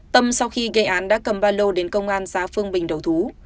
tâm sau khi gây án đã cầm ba lô đến công an xã phương bình đầu thú